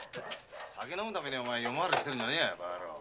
酒飲むために夜廻りしてんじゃねえや。